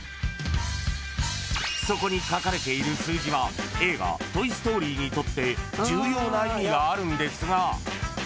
［そこに書かれている数字は映画『トイ・ストーリー』にとって重要な意味があるんですが］